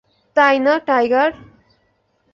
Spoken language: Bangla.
তাই না, টাইগার?